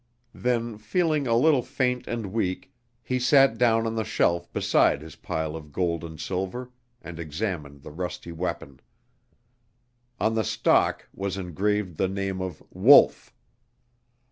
Then, feeling a little faint and weak, he sat down on the shelf beside his pile of gold and silver, and examined the rusty weapon. On the stock was engraved the name of "Wolf."